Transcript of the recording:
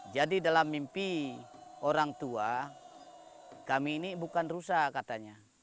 jadi dalam mimpi orang tua kami ini bukan rusak katanya